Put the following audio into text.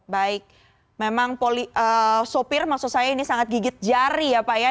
baik memang sopir maksud saya ini sangat gigit jari ya pak ya